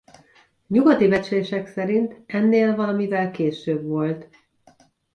Nyugati becslések szerint ennél valamivel később volt.